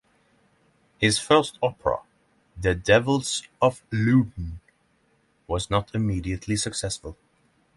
His first opera, "The Devils of Loudun", was not immediately successful.